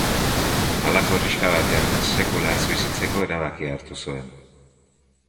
Halako herrixka batean sekula ez bizitzeko erabakia hartu zuen.